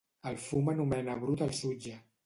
El fum anomena brut el sutge.